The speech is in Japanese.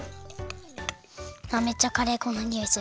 あっめっちゃカレー粉のにおいする。